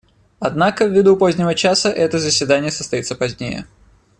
Однако, ввиду позднего часа, это заседание состоится позднее.